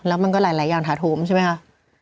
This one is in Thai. แล้วก็มันหลายอย่างท่าโถมใช่ไหมค่ะ